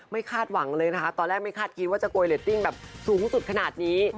คาดหวังเลยนะคะตอนแรกไม่คาดคิดว่าจะโกยเรตติ้งแบบสูงสุดขนาดนี้